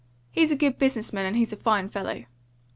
He's a good business man, and he's a fine fellow.